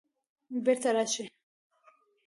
بیرته راشئ